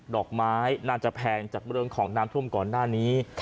ดอกไม้น่าจะแพงจากเรื่องของน้ำท่วมก่อนหน้านี้